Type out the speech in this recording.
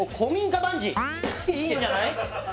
いいんじゃない？